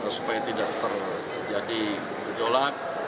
supaya tidak terjadi gejolak